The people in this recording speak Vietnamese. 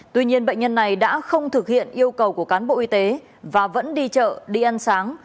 tuy nhiên bệnh nhân này đã không thực hiện yêu cầu của cán bộ y tế và vẫn đi chợ đi ăn sáng